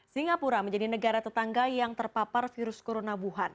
singapura menjadi negara tetangga yang terpapar virus corona wuhan